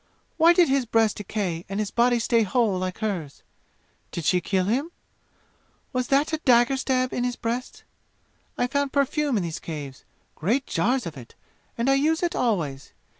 Why did his breast decay and his body stay whole like hers? Did she kill him? Was that a dagger stab in his breast? I found perfume in these caves great jars of it, and I use it always.